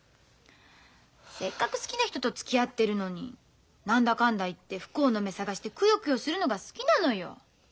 せっかく好きな人とつきあってるのに何だかんだ言って不幸の芽探してくよくよするのが好きなのよ。